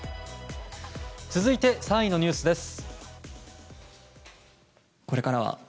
続いて３位のニュースです。